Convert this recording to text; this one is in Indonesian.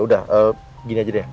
udah gini aja deh